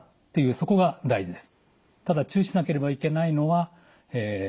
そこが注意です。